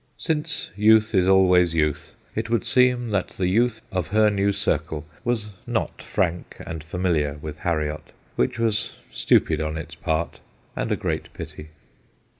Since youth is always youth, it would seem that the youth of her 220 THE GHOSTS OF PICCADILLY new circle was not frank and familiar with Harriot, which was stupid on its part and a great pity.